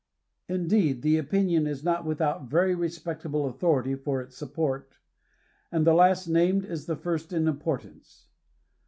Indeed, the opinion is not without very respectable authority for its support, that the last named is the first in importance.